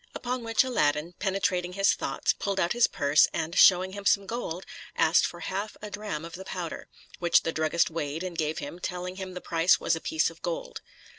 Upon which Aladdin, penetrating his thoughts, pulled out his purse, and, showing him some gold, asked for half a dram of the powder, which the druggist weighed and gave him, telling him the price was a piece of gold.